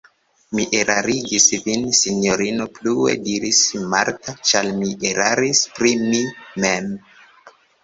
Mi erarigis vin, sinjorino, plue diris Marta, ĉar mi eraris pri mi mem.